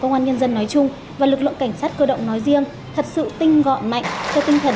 công an nhân dân nói chung và lực lượng cảnh sát cơ động nói riêng thật sự tinh gọn mạnh cho tinh thần